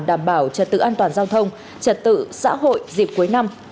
đảm bảo trật tự an toàn giao thông trật tự xã hội dịp cuối năm